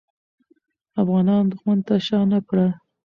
افغانان دښمن ته شا نه کړه.